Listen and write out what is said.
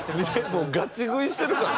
もうガチ食いしてるから。